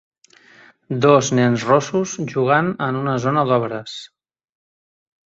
Dos nens rossos jugant en una zona d'obres.